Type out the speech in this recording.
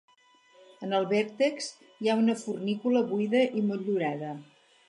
En el vèrtex hi ha una fornícula, buida i motllurada.